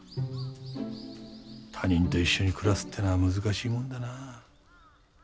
他人と一緒に暮らすっていうのは難しいもんだなあ。